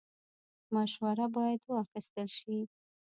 مشوره باید واخیستل شي